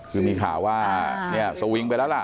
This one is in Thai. คือมีข่าวว่าเนี่ยสวิงไปแล้วล่ะ